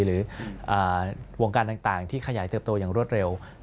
หรือวงการต่างที่ขยายเติบโตอย่างรวดเร็ว